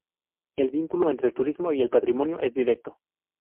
El vínculo entre el turismo y el patrimonio es directo.